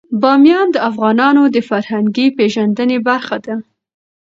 بامیان د افغانانو د فرهنګي پیژندنې برخه ده.